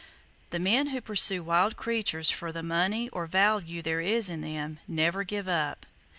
The men who pursue wild creatures for the money or other value there is in them, never give up.